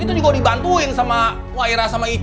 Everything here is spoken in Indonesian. itu juga dibantuin sama wairah sama ic